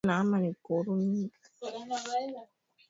Tarehe thelathini na moja mwezi Julai mwaka elfu mbili na sita